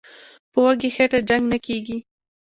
"په وږي خېټه جنګ نه کېږي".